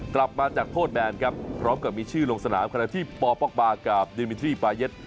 กลับมาจากโทษแบนครับพร้อมกับมีชื่อลงสนามขณะที่ปป๊อกบาร์กับดิมิทรี่ปาเย็ด